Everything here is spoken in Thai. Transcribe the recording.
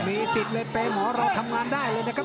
มีสิทธิ์เลยเปย์หมอเราทำงานได้เลยนะครับ